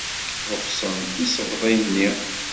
Ḍefsen tisefḍin-nni.